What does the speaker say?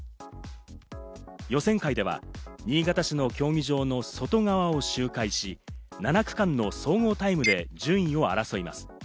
予選会では新潟市の競技場の外側を周回し、７区間の総合タイムで順位を争います。